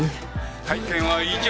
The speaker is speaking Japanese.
会見は以上。